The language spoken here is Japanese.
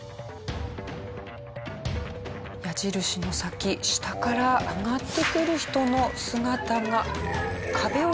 矢印の先下から上がってくる人の姿が。